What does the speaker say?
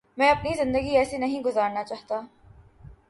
میں اپنی زندگی ایسے نہیں گزارنا چاہتا